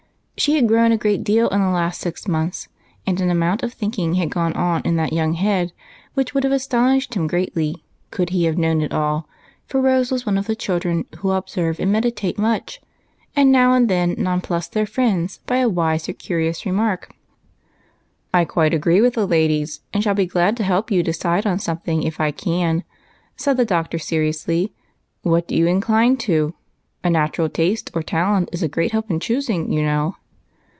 She had grown a good deal in the last six months, and an amount of thinking had gone on in that young head which would have astonished him greatly could he have known it all, for Rose was one of the children who observe and meditate much, and now and then nonplus their friends by a wise or curious remark. " I quite agree with the ladies, and shall be glad to help you decide on something if I can," said the Doctor seriously. " What do you incline to ? A natural taste or talent is a great help in choosing, you know."